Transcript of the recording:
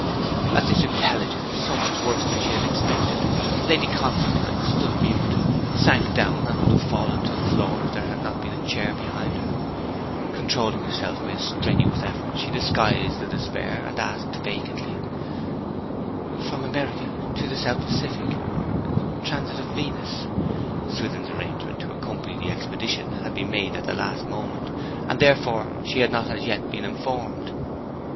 At this intelligence, so much worse than she had expected, Lady Constantine stood mute, sank down, and would have fallen to the floor if there had not been a chair behind her. Controlling herself by a strenuous effort, she disguised her despair and asked vacantly: 'From America to the South Pacific Transit of Venus?' (Swithin's arrangement to accompany the expedition had been made at the last moment, and therefore she had not as yet been informed.)